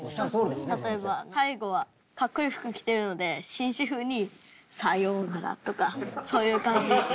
例えば最後はかっこいい服着てるので紳士風に「さようなら」とかそういう感じ。